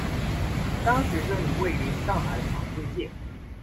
当时这里位于上海法租界。